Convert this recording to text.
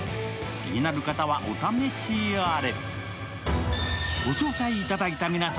気になる方はお試しあれ。